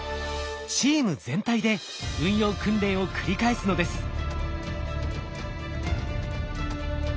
チーム全体で運用訓練を繰り返すのです。